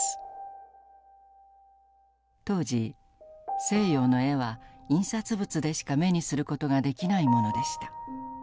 当時西洋の絵は印刷物でしか目にする事ができないものでした。